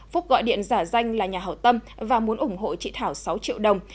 phúc gọi điện giả danh là nhà hảo tâm và muốn ủng hộ chị thảo sáu triệu đồng